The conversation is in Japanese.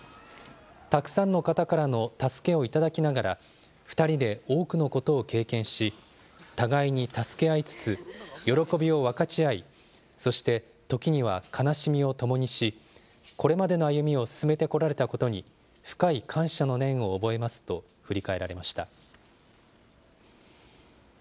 たくさんの方からの助けを頂きながら、２人で多くのことを経験し、互いに助け合いつつ、喜びを分かち合い、そして時には悲しみを共にし、これまでの歩みを進めてこられたことに深い感謝の念を覚えますと振り返られました。